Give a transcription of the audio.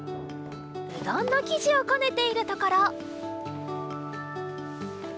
うどんのきじをこねているところ。